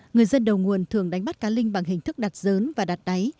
người dân đầu nguồn thường đánh bắt cá linh bằng hình thức đặt dớn và đặt đáy